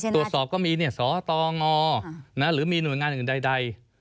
ตรวจสอบก็มีสตงหรือมีหน่วยงานอื่นใด